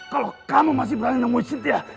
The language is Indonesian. kalau kamu masih berani menemui cynthia